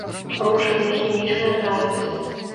Рушым на хімічны аналіз.